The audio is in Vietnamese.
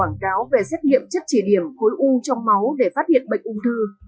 quảng cáo về xét nghiệm chất chỉ điểm khối u trong máu để phát hiện bệnh ung thư